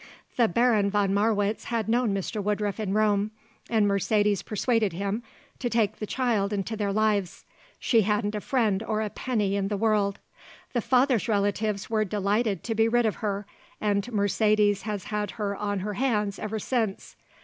The Baron von Marwitz had known Mr. Woodruff in Rome and Mercedes persuaded him to take the child into their lives. She hadn't a friend or a penny in the world. The father's relatives were delighted to be rid of her and Mercedes has had her on her hands ever since.